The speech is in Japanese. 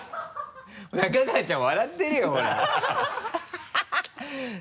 仲川ちゃん笑ってるよほら